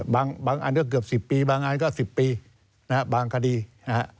บางอันก็เกือบ๑๐ปีบางอันก็๑๐ปีนะฮะบางคดีนะฮะ